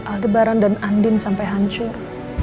aldebaran dan andin sampai hancur